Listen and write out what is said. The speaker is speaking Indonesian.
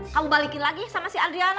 kamu balikin lagi sama si adriana